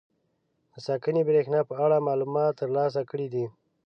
د ساکنې برېښنا په اړه معلومات تر لاسه کړي دي.